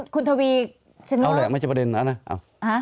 คุณทวีเอาแหละไม่ใช่ประเด็นนะ